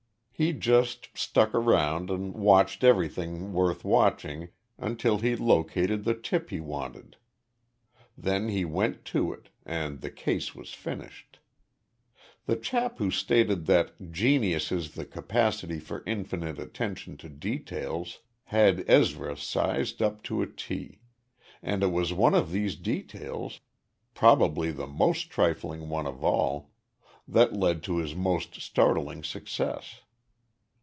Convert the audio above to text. He just stuck around and watched everything worth watching until he located the tip he wanted. Then he went to it and the case was finished! The chap who stated that "genius is the capacity for infinite attention to details" had Ezra sized up to a T. And it was one of these details probably the most trifling one of all that led to his most startling success.